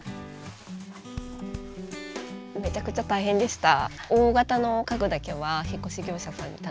めちゃくちゃ大変でした。